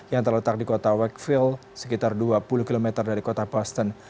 yang terletak di kota wakefill sekitar dua puluh km dari kota boston